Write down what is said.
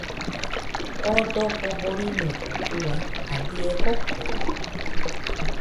Oo dojo boriño oo dua jadie jokori